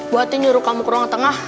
bu hati nyuruh kamu ke ruang tengah